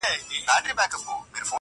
په کړکۍ کي ورته پټ وو کښېنستلی!!